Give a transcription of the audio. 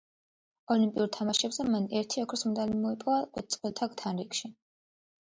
ოლიმპიურ თამაშებზე, მან ერთი ოქროს მედალი მოიპოვა წყვილთა თანრიგში.